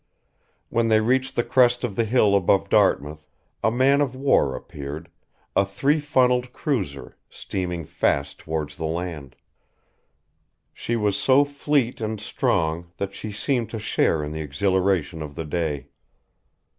When they reached the crest of the hill above Dartmouth a man of war appeared, a three funnelled cruiser, steaming fast towards the land. She was so fleet and strong that she seemed to share in the exhilaration of the day.